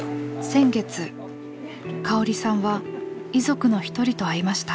先月かおりさんは遺族の一人と会いました。